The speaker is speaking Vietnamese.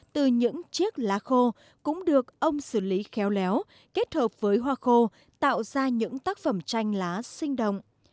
từ những chiếc lá khô cũng được ông xử lý khéo léo kết hợp với hoa khô tạo ra những tác phẩm tranh lá sinh động